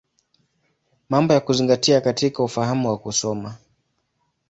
Mambo ya Kuzingatia katika Ufahamu wa Kusoma.